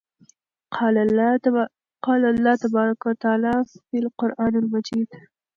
قال الله تبارك وتعالى فى القران المجيد: